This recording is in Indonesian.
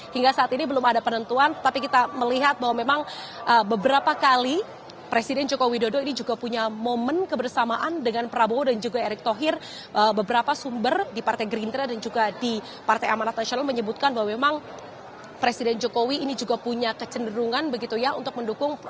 hingga saat ini belum ada penentuan tapi kita melihat bahwa memang beberapa kali presiden joko widodo ini juga punya momen kebersamaan dengan prabowo dan juga erick thohir beberapa sumber di partai gerindra dan juga di partai amanat nasional menyebutkan bahwa memang presiden jokowi ini juga punya kecenderungan begitu ya untuk mendukung